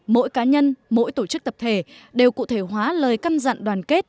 mỗi cá nhân mỗi tổ chức tập thể đều cụ thể hóa lời căn dặn đoàn kết